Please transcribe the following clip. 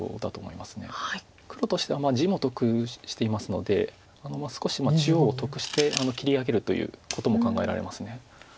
黒としては地も得していますので少し中央を得して切り上げるということも考えられます。